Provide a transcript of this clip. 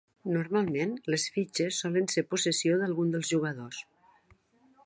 Normalment, les fitxes solen ser possessió d'algun dels jugadors.